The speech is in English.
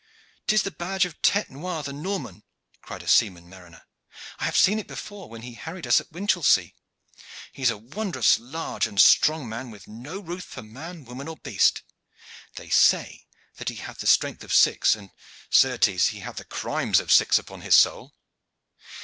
"'Tis the badge of Tete noire, the Norman," cried a seaman mariner. "I have seen it before, when he harried us at Winchelsea. He is a wondrous large and strong man, with no ruth for man, woman, or beast. They say that he hath the strength of six; and, certes, he hath the crimes of six upon his soul.